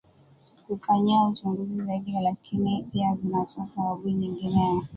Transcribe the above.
kufanyiwa uchunguzi zaidi lakini pia zinatoa sababu nyingine ya